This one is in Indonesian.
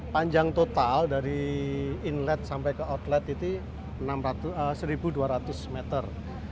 panjang total dari inlet sampai ke outlet itu satu dua ratus meter